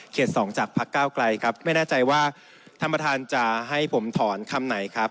สองจากพักเก้าไกลครับไม่แน่ใจว่าท่านประธานจะให้ผมถอนคำไหนครับ